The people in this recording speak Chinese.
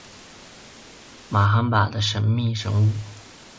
玛罕巴的神秘生物。